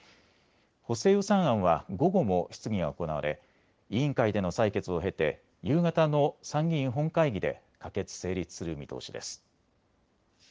補正予算案は午後も質疑が行われ委員会での採決を経て夕方の参議院本会議で可決・成立する見通しです。